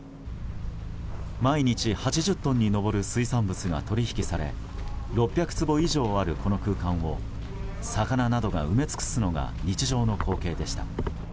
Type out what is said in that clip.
毎日８０トンに上る水産物が取引され６００坪以上あるこの空間を魚などが埋め尽くすのが日常の光景でした。